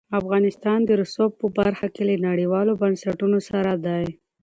افغانستان د رسوب په برخه کې له نړیوالو بنسټونو سره دی.